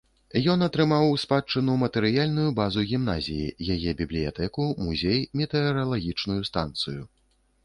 Ён атрымаў у спадчыну матэрыяльную базу гімназіі, яе бібліятэку, музей, метэаралагічную станцыю.